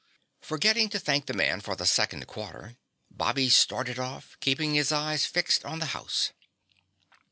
Forgetting to thank the man for the second quarter, Bobby started off, keeping his eyes fixed on the house.